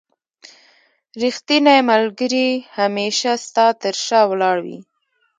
رښتينی ملګري هميشه ستا تر شا ولاړ وي.